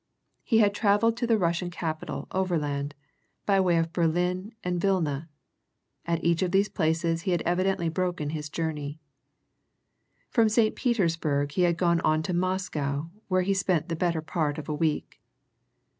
He had travelled to the Russian capital overland by way of Berlin and Vilna, at each of which places he had evidently broken his journey. From St. Petersburg he had gone on to Moscow, where he had spent the better part of a week.